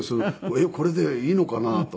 えっこれでいいのかな？とか。